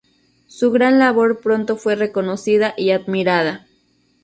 Su gran labor pronto fue reconocida y admirada.